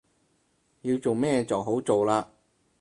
要做咩就好做喇